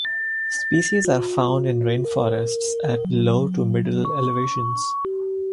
Species are found in rain forests at low to middle elevations.